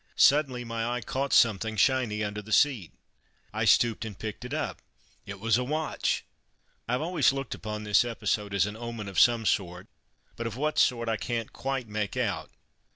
Suddenly my eye caught something shiny under the seat. I stooped and picked it up; it was a watch! I have always looked upon this episode as an omen of some sort; but of what sort I can't quite make out.